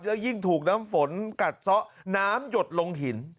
แล้วยิ่งถูกน้ำฝนกัดซะน้ำหยดลงหิน